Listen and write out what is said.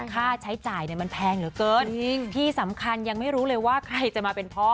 ค่าใช้จ่ายเนี่ยมันแพงเหลือเกินที่สำคัญยังไม่รู้เลยว่าใครจะมาเป็นพ่อ